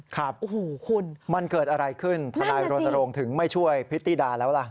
ครับมันเกิดอะไรขึ้นทนายโรนโรงถึงไม่ช่วยพิธีดาแล้วล่ะคุณ